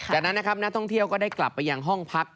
จากนั้นนะครับนักท่องเที่ยวก็ได้กลับไปยังห้องพัก